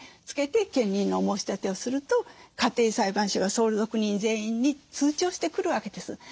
つけて検認の申し立てをすると家庭裁判所が相続人全員に通知をしてくるわけです。